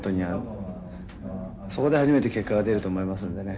そこで初めて結果が出ると思いますのでね。